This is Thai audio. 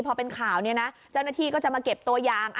พอเป็นข่าวเนี่ยนะเจ้าหน้าที่ก็จะมาเก็บตัวยาง